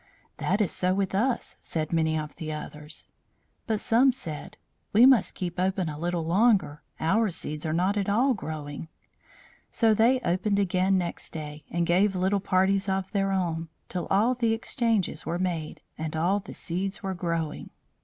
"That is so with us," said many of the others. But some said: "We must keep open a little longer. Our seeds are not all growing." So they opened again next day, and gave little parties of their own, till all the exchanges were made and all the seeds were growing.